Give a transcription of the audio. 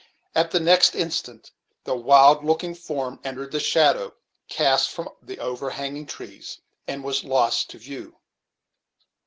At the next instant, the wild looking form entered the shadow cast from the over hanging trees, and was lost to view.